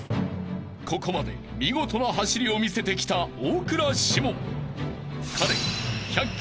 ［ここまで見事な走りを見せてきた大倉士門］